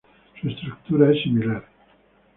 Su estructura es similar.